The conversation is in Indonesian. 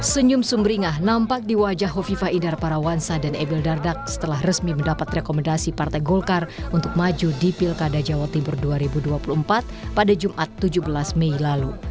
senyum sumringah nampak di wajah hovifa idar parawansa dan emil dardak setelah resmi mendapat rekomendasi partai golkar untuk maju di pilkada jawa timur dua ribu dua puluh empat pada jumat tujuh belas mei lalu